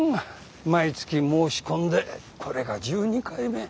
毎月申し込んでこれが１２回目。